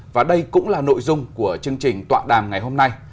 và đây cũng là nội dung của chương trình tọa đàm ngày hôm nay